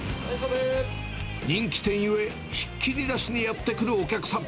人気店ゆえ、ひっきりなしにやって来るお客さん。